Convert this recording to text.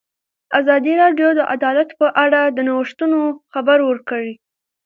ازادي راډیو د عدالت په اړه د نوښتونو خبر ورکړی.